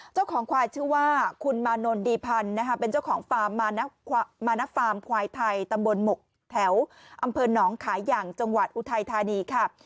เจ้าของควายชื่อว่าคุณมานนดีพันธ์เป็นเจ้าของฟาร์มมาณฟาร์มควายไทยตำบลหมกแถวอำเภอหนองขายอย่างจังหวัดอุทัยธานีค่ะ